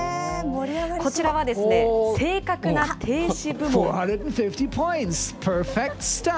こちらは正確な停止部門。